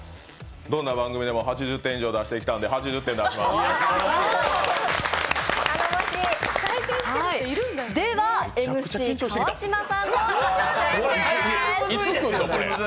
どんな番組でも８０点以上出してきたんで、８０点以上出します。